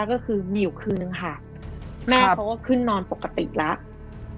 ก็คือมีอยู่คืนนึงค่ะแม่เขาก็ขึ้นนอนปกติแล้ว